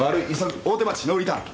大手町ノーリターン。